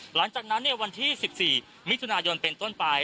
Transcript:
หลังจากนั้นวันที่๑๔มิถุนายนเป็นต้นไป